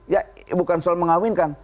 ya bukan soal mengawinkan